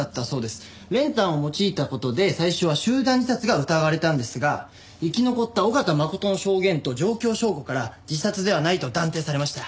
練炭を用いた事で最初は集団自殺が疑われたんですが生き残った緒方真琴の証言と状況証拠から自殺ではないと断定されました。